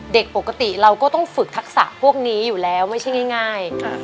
เด็กปกติเราก็ต้องฝึกทักษะพวกนี้อยู่แล้วไม่ใช่ง่าย